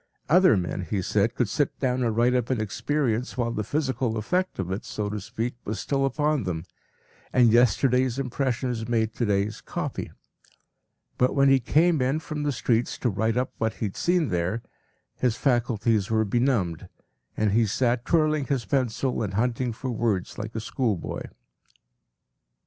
Other men, he said, could sit down and write up an experience while the physical effect of it, so to speak, was still upon them, and yesterday’s impressions made to day’s “copy.” But when he came in from the streets to write up what he had seen there, his faculties were benumbed, and he sat twirling his pencil and hunting for words like a schoolboy.